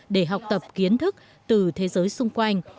để học tập kiến thức từ thế giới xung quanh